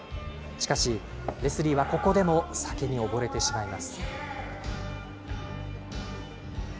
しかし、レスリーはここでも酒に溺れてしまいます。